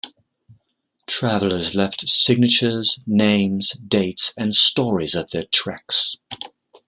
Travelers left signatures, names, dates, and stories of their treks.